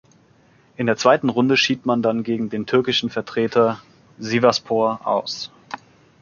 In der zweiten Runde schied man dann gegen den türkischen Vertreter Sivasspor aus.